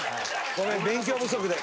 ごめん勉強不足で。